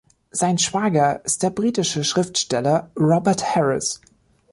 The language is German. Sein Schwager ist der britische Schriftsteller Robert Harris.